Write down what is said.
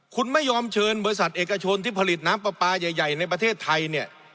คุณไม่ยอมเชิญบริษัทเอกชนที่ผลิตน้ำปลาปลาใหญ่ในประเทศไทยเนี่ย